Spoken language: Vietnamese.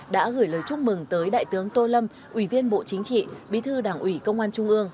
đã gửi lời chúc mừng tới đại tướng tô lâm ủy viên bộ chính trị bí thư đảng ủy công an trung ương